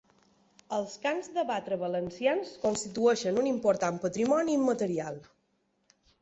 Els cants de batre valencians constitueixen un important patrimoni immaterial.